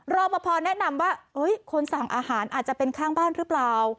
รอปภแนะนำว่าคนสั่งอาหารอาจจะเป็นข้างบ้านหรือเปล่า